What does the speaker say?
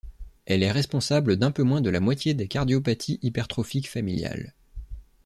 Elle est responsable d'un peu moins de la moitié des cardiopathies hypertrophiques familiales.